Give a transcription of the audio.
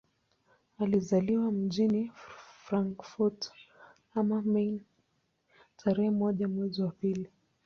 Alizaliwa mjini Frankfurt am Main tarehe moja mwezi wa pili